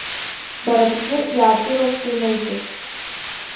Бара бзы иаатыроуп дунеи ҿыцк…